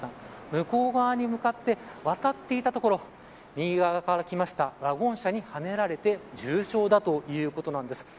向こう側に向かって渡っていたところ右側からきましたワゴン車にはねられて重症だということなんです。